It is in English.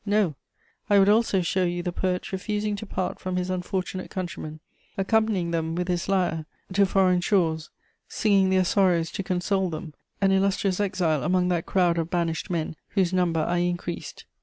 No: I would also show you the poet refusing to part from his unfortunate countrymen, accompanying them with his lyre to foreign shores, singing their sorrows to console them; an illustrious exile among that crowd of banished men whose number I increased.